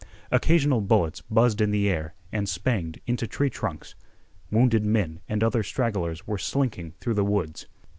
Occasional bullets buzzed in the air and spanged into tree trunks. Wounded men and other stragglers were slinking through the woods.